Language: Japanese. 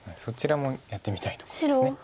そちらもやってみたいとこです。